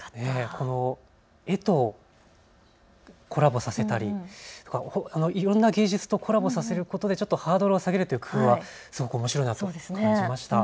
この絵とコラボさせたりいろんな芸術とコラボさせることでハードルを下げるという工夫はすごくおもしろいなと感じました。